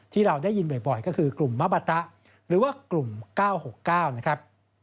ที่เราได้ยินบ่อยก็คือกลุ่มมะบาตะหรือว่ากลุ่ม๙๖๙นะครับ